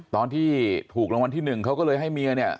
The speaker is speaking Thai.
ตอนที่ถูกรางวัลที่หนึ่งเขาก็เลยให้เมียเนี่ย